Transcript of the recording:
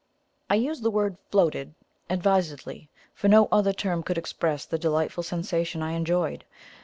I use the word FLOATED, advisedly, for no other term could express the delightful sensation I enjoyed.